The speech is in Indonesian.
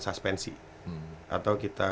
suspensi atau kita